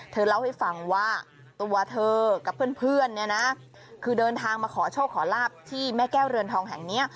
เธอเล่าให้ฟังว่าตัวเธอกับเพื่อนเนี่ยนะคือเดินทางมาขอโชคขอลาบที่แม่แก้วเรือนทองแห่งนี้